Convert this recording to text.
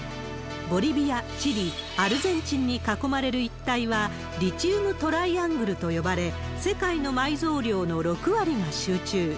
ボリビア、チリ、アルゼンチンに囲まれる一帯はリチウムトライアングルと呼ばれ、世界の埋蔵量の６割が集中。